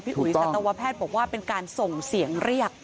อุ๋ยสัตวแพทย์บอกว่าเป็นการส่งเสียงเรียก